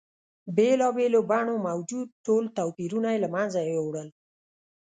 بېلا بېلو بڼو موجود ټول توپیرونه یې له منځه یوړل.